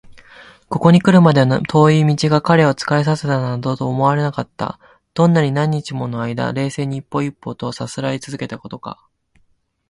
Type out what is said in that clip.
ここにくるまでの遠い道が彼を疲れさせたなどとは思われなかった。どんなに何日ものあいだ、冷静に一歩一歩とさすらいつづけてきたことか！